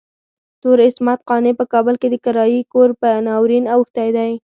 تور عصمت قانع په کابل کې د کرايي کور په ناورين اوښتی دی.